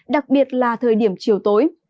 đặc biệt là thời điểm chiều tối